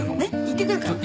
行ってくるから。